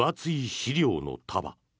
資料の束。